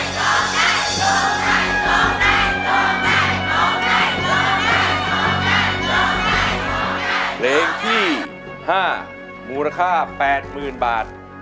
เพลงที่๕มูลค่า๘๐๐๐บาท